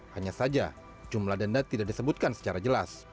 hanya saja jumlah denda tidak disebutkan secara jelas